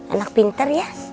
anak pinter ya